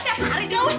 gapain suruh pegang